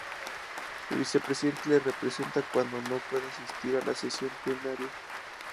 El vicepresidente le representa cuando no pueda asistir a la sesión plenaria.